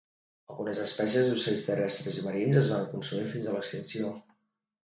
Algunes espècies d'ocells terrestres i marins es van consumir fins a l'extinció.